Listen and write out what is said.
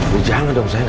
ya jangan dong sayang